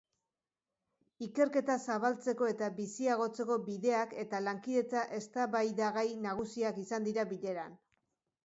Ikerketa zabaltzeko eta biziagotzeko bideak eta lankidetza eztabaidagai nagusiak izan dira bileran.